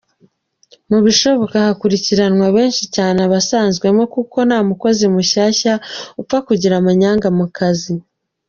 mu bishoboka hakurikiranwa benshi cyane abasanzwemo Kuko, ntamukozi mushyashya upfa kugira amanyanga mukazi .